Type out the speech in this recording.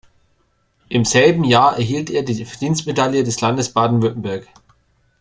Im selben Jahr erhielt er die Verdienstmedaille des Landes Baden-Württemberg.